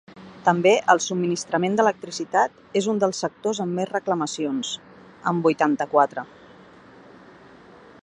També el subministrament d’electricitat és un dels sectors amb més reclamacions, amb vuitanta-quatre.